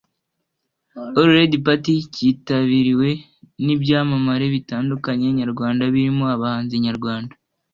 All Red Party cyitabiriwe n’ ibyamamare bitandukanye nyarwanda birimo abahanzi nyarwanda